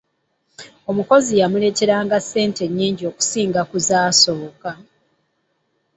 Omukozi yamuleeteranga ssente nnyingi okusinga ku zaasooka.